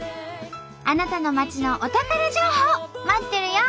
あなたの町のお宝情報待っとるよ！